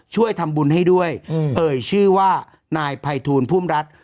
ช่วยทำบุญให้ด้วยเอ่ยชื่อว่านายภัยทูลพุ่มรัฐ